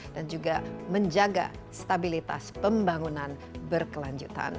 dan juga menjaga stabilitas pembangunan berkelanjutan